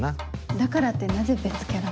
だからってなぜ別キャラに？